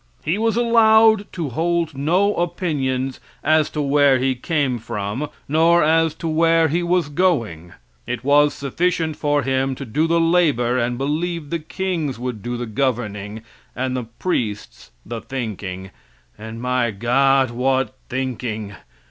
He was allowed to hold no opinions as to where he came from, nor as to where he was going. It was sufficient for him to do the labor and believe the kings would do the governing and the priests the thinking and, my God, what thinking!